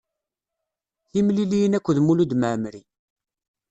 Timliliyin akked Mulud Mɛemri.